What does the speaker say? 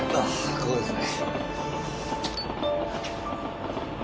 ここですね。